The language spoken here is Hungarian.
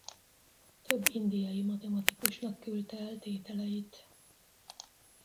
Több indiai matematikusnak küldte el tételeit.